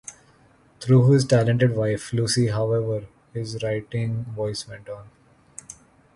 Through his talented wife Lucy, however, his writing voice went on.